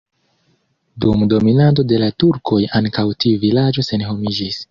Dum dominado de la turkoj ankaŭ tiu vilaĝo senhomiĝis.